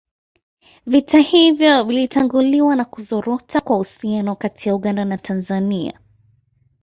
Vita hivyo vilitanguliwa na kuzorota kwa uhusiano kati ya Uganda na Tanzania